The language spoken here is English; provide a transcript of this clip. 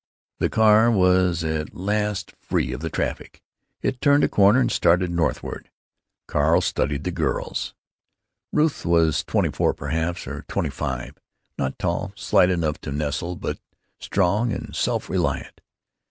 The car was at last free of the traffic. It turned a corner and started northward. Carl studied the girls. Ruth was twenty four, perhaps, or twenty five. Not tall, slight enough to nestle, but strong and self reliant.